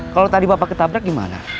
kalau tadi bapak ketabrak gimana